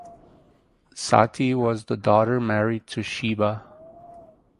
Sati was the daughter married to Shiva.